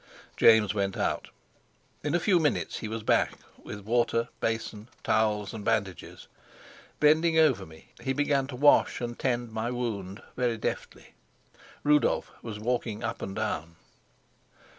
James went out. In a few minutes he was back, with water, basin, towels, and bandages. Bending over me, he began to wash and tend my wound very deftly. Rudolf was walking up and down.